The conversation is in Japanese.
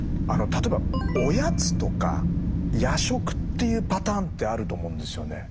例えばおやつとか夜食っていうパターンってあると思うんですよね。